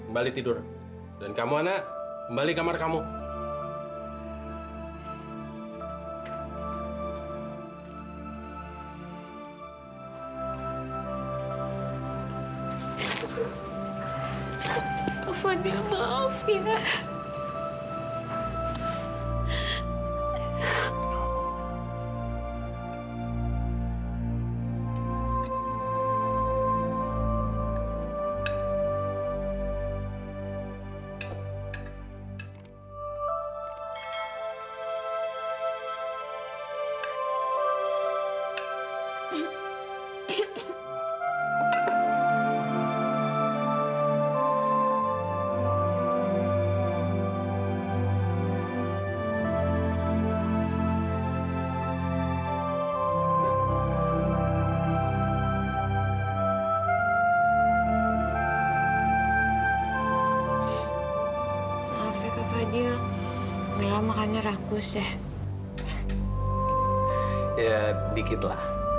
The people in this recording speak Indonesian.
bu kalau baca jasa bejaya kenapa